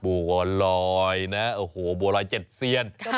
บัวลอยนะโอ้โหบัวลอย๗เซียน